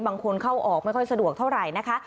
บางคนเข้าออกไม่ค่อยสะดวกเท่าไหร่นะคะ